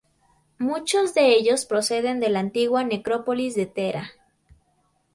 Muchos de ellos proceden de la antigua necrópolis de Thera.